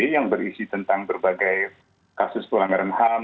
yang berisi tentang berbagai kasus pelanggaran ham